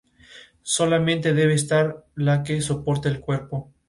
Solamente debe estar la que soporte el cuerpo.